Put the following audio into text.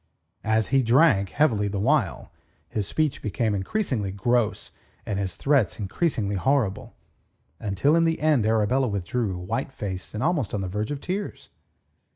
And as he drank heavily the while, his speech became increasingly gross and his threats increasingly horrible; until in the end Arabella withdrew, white faced and almost on the verge of tears.